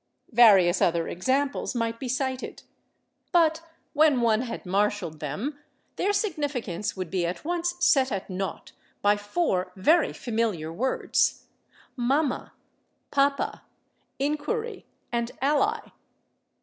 Various other examples might be cited. But when one had marshalled them their significance would be at once set at naught by four very familiar words, /mamma/, /papa/, /inquiry/ and /ally